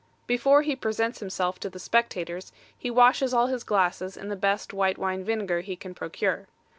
Before he presents himself to the spectators, he washes all his glasses in the best white wine vinegar he can procure.